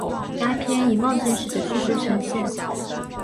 该片以梦境式的叙述呈现。